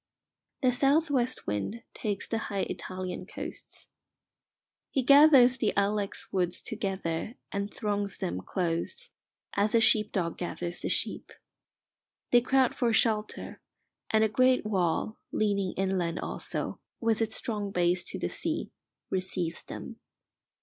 The south west wind takes the high Italian coasts. He gathers the ilex woods together and throngs them close, as a sheep dog gathers the sheep. They crowd for shelter, and a great wall, leaning inland also, with its strong base to the sea, receives them.